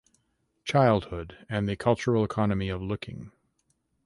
Childhood and the cultural economy of looking.